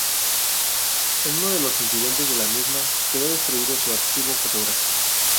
En uno de los incidentes de la misma quedó destruido su archivo fotográfico.